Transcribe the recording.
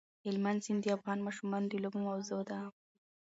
هلمند سیند د افغان ماشومانو د لوبو موضوع ده.